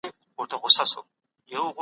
ټولنيز بدلون ورو خو دايمي دی.